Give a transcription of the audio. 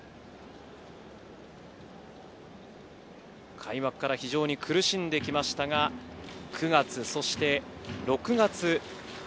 開幕から非常に苦しんできましたが、９月、そして６月。